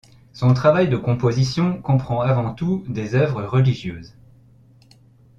Son travail de composition comprend avant tout des œuvres religieuses.